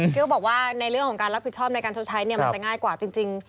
ก็บอกว่าในเรื่องของการรับผิดชอบในการชดใช้เนี่ยมันจะง่ายกว่าจริง